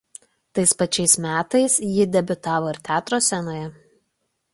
Tais pačiais metais ji debiutavo ir teatro scenoje.